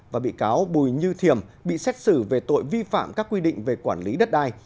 và bị cáo bùi như thiềm bị xét xử về tội vi phạm các quy định về quản lý đất đai